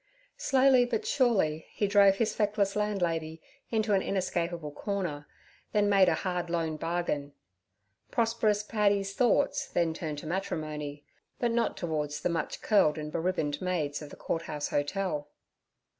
Slowly but surely he drove his feckless landlady into an inescapable corner, then made a hard loan bargain. Prosperous Paddy's thoughts then turned to matrimony, but not towards the much curled and beribboned maids of the Court House Hotel.